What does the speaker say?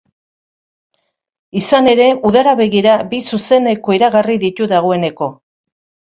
Izan ere, udara begira bi zuzeneko iragarri ditu dagoeneko.